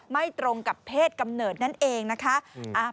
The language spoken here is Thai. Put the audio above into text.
ไม่ตรงกับเพศกำเนิดนั่นเองนะคะ